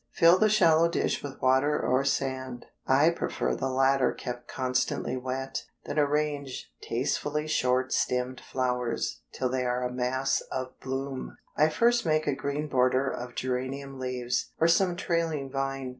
Fill the shallow dish with water or sand I prefer the latter kept constantly wet then arrange tastefully short stemmed flowers till they are a mass of bloom. I first make a green border of geranium leaves, or some trailing vine.